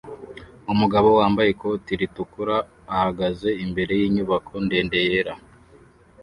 Umugabo wambaye ikoti ritukura ahagaze imbere yinyubako ndende yera